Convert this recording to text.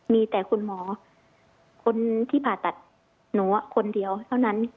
มีแต่คุณหมอคนที่ผ่าตัดหนูคนเดียวเท่านั้น